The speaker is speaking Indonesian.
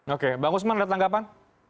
oke bang usman ada tanggapan